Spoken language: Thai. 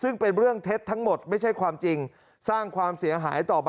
ใน๑ชั่วโมงครับ